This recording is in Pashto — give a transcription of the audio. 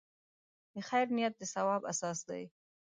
د خیر نیت د ثواب اساس دی.